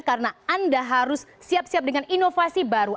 karena anda harus siap siap dengan inovasi baru